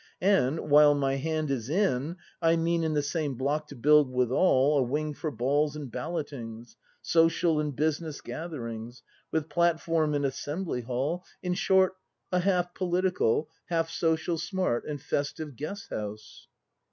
And, while my hand is in, I mean In the same block to build withal A wing for balls and ballotings, Social and business gatherings. With platform and Assembly Hall; In short, a half political, Half social, smart and festive Guest house.